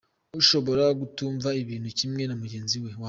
Ushobora kutumva ibintu kimwe na mugenzi wawe.